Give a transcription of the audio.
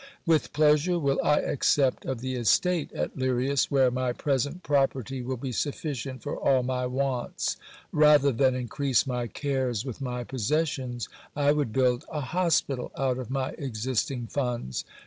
With pleasure will I accept of the estate at Lirias, where my present property will be sufficient for all my wants. Rather than increase my cares with my possessions, I would build a hospital out of my existing funds.